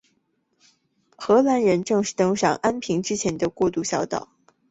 荷兰人正式登上安平之前的过渡小岛。